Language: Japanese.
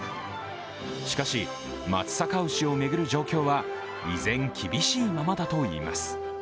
しかし、松阪牛を巡る状況は依然厳しいままだといいます。